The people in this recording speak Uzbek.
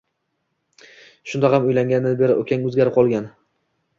Shundog`am uylangandan beri ukang o`zgarib qolgan